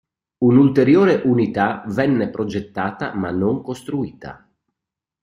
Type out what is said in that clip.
Un'ulteriore unità venne progettata ma non costruita.